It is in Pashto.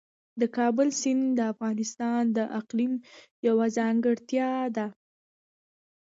د کابل سیند د افغانستان د اقلیم یوه ځانګړتیا ده.